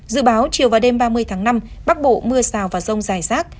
dự báo chiều và đêm ba mươi tháng năm bắc bộ mưa rào và rông dài rác